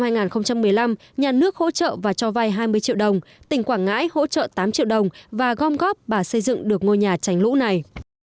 năm hai nghìn một mươi năm nhà nước hỗ trợ và cho vay hai mươi triệu đồng tỉnh quảng ngãi hỗ trợ tám triệu đồng và gom góp bà xây dựng được ngôi nhà tránh lũ này